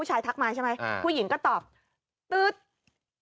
การนอนไม่จำเป็นต้องมีอะไรกัน